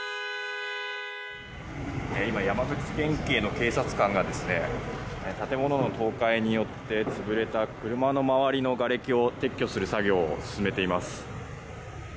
今、山口県警の警察官が建物の倒壊によって潰れた車の周りのがれきを撤去する作業を進めています。